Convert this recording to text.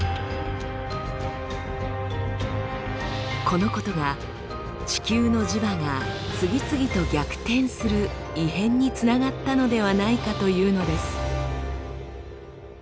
このことが地球の磁場が次々と逆転する異変につながったのではないかというのです。